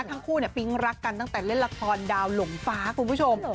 ทั้งคู่ปิ๊งรักกันตั้งแต่เล่นละครดาวหลงฟ้าคุณผู้ชม